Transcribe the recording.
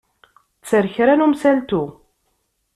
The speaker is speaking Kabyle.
Tter kra n umsaltu.